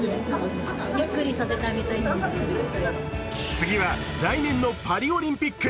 次は来年のパリオリンピック。